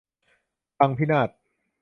พังพินาศ